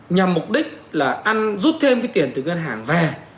nhằm mục đích là ăn rút thêm cái tiền từ ngân hàng về